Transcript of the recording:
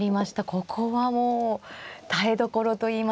ここはもう耐えどころといいますか。